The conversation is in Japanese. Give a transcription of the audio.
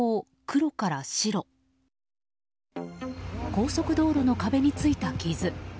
高速道路の壁についた傷。